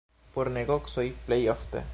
Por negocoj plej ofte.